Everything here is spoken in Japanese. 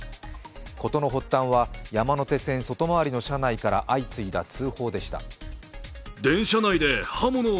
事の発端は山手線外回りの車内から相次いだ通報でした。